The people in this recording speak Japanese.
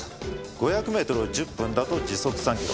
５００メートルを１０分だと時速３キロ。